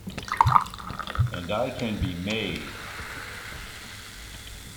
And I can be made!